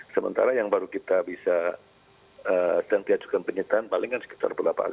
sementara yang baru kita bisa sedang diajukan penyitaan paling kan sekitar berapa kali